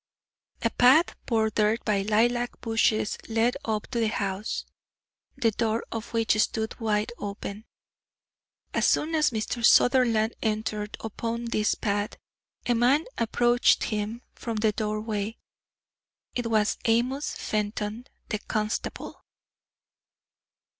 A path bordered by lilac bushes led up to the house, the door of which stood wide open. As soon as Mr. Sutherland entered upon this path a man approached him from the doorway. It was Amos Fenton, the constable.